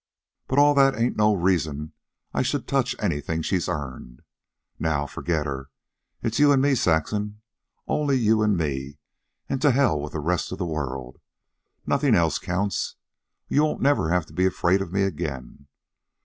But all that ain't no reason I should touch anything she's earned. Now forget her. It's you an' me, Saxon, only you an' me an' to hell with the rest of the world. Nothing else counts. You won't never have to be afraid of me again.